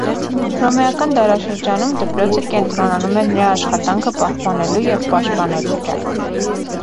Հռոմեական դարաշրջանում դպրոցը կենտրոնանում էր նրա աշխատանքը պահպանելու և պաշտպանելու վրա։